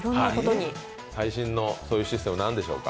最新のそういうシステム、何でしょうか？